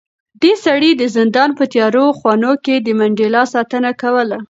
دې سړي د زندان په تیارو خونو کې د منډېلا ساتنه کوله.